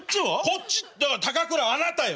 こっちだから高倉あなたよ。